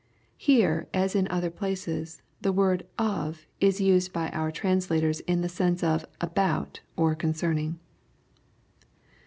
] Here, as in other places, the word ''of" is used by our tran^tors in the sense of '' about" or *' concerning."